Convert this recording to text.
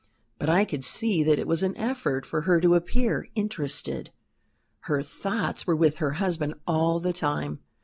But I could see that it was an effort for her to appear interested her thoughts were with her husband all the time.